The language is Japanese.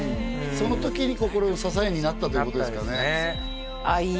そのときに心の支えになったということですかねああ